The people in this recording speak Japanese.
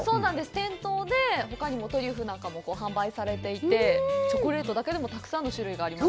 店頭でほかにもトリュフなんかも販売されていて、チョコレートだけでもたくさんの種類がありました。